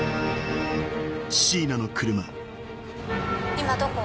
今どこ？